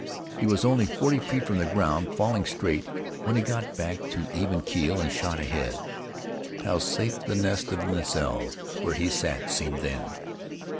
He was only forty feet from the ground, falling straight, when he got back to even keel and shot ahead. How safe the nest of the nacelle where he sat seemed then!